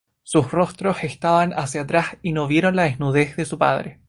Sus rostros "estaban" hacia atrás, y no vieron la desnudez de su padre.